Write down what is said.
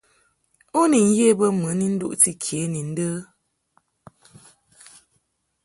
U ni ye bə mɨ ni nduʼti ke ni ndə ?